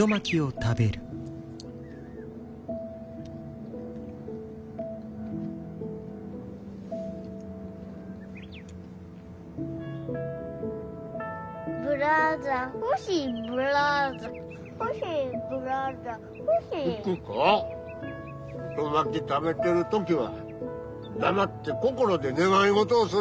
食べてる時は黙って心で願い事をするんや。